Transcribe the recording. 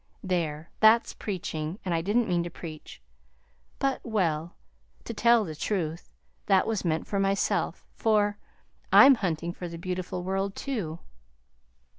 There! that's preaching, and I didn't mean to preach; but well, to tell the truth, that was meant for myself, for I'm hunting for the beautiful world, too."